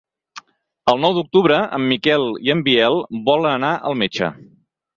El nou d'octubre en Miquel i en Biel volen anar al metge.